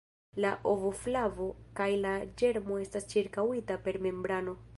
La ovoflavo kaj la ĝermo estas ĉirkaŭita per membrano.